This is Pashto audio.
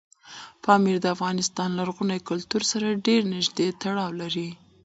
پامیر د افغان لرغوني کلتور سره ډېر نږدې تړاو لري.